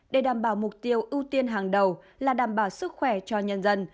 để đảm bảo mục tiêu ưu tiên hàng đầu là đảm bảo sức khỏe cho nhân dân